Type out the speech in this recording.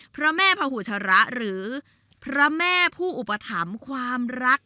พระแม่พหูชระหรือพระแม่ผู้อุปถัมภ์ความรัก